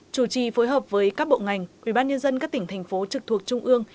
chủ trì phối hợp với các bộ ngành ubnd các tỉnh thành phố trực thuộc trung ương